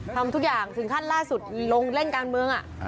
ทำทุกอย่างถึงขั้นล่าสุดลงเล่นการเมือง